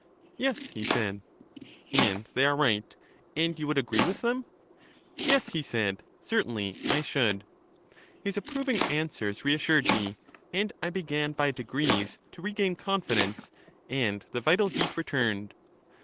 Yes, he said. And they are right, and you would agree with them? Yes, he said, certainly I should. His approving answers reassured me, and I began by degrees to regain confidence, and the vital heat returned.